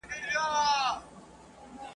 سر تر نوکه وو خالق ښکلی جوړ کړی ,